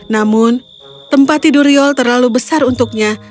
namun tempat tidur riol terlalu besar untuknya